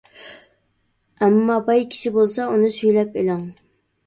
ئەمما باي كىشى بولسا، ئۇنى سۈيلەپ ئېلىڭ.